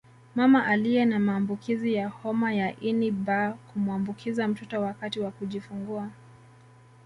Mama aliye na maambukizi ya homa ya ini B kumuambukiza mtoto wakati wa kujifungua